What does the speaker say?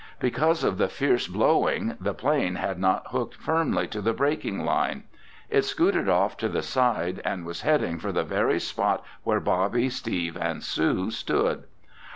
Because of the fierce blowing, the plane had not hooked firmly to the braking line. It scooted off to the side and was heading for the very spot where Bobby, Steve and Sue stood.